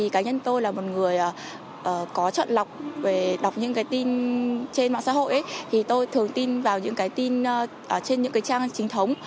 cá nhân tôi là một người có chọn lọc đọc những tin trên mạng xã hội tôi thường tin vào những tin trên những trang trình thống